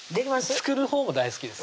作るほうも大好きです